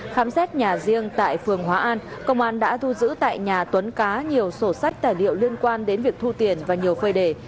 khám xét nhà riêng tại phường hóa an công an đã thu giữ tại nhà tuấn cá nhiều sổ sách tài liệu liên quan đến việc thu tiền và nhiều phơi đề